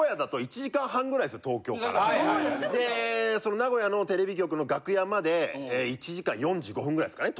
名古屋のテレビ局の楽屋まで１時間４５分ぐらいですかね？